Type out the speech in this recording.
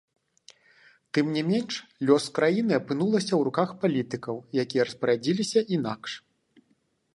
Тым не менш, лёс краіны апынулася ў руках палітыкаў, якія распарадзіліся інакш.